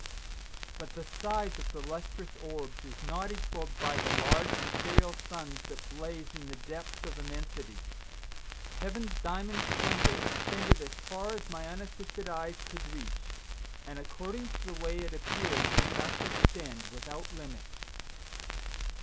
But the size of the lustrous orbs is not equaled by the large material suns that blaze in the depth of immensity. Heaven's diamond splendor extended as far as my unassisted eyes could reach, and according to the way it appeared it must extend without limit.